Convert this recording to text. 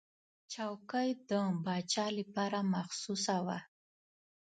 چوکۍ د پاچا لپاره مخصوصه وه.